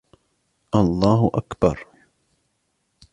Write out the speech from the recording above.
الله أكبر!